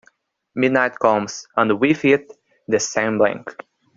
Midnight comes, and with it the same blank.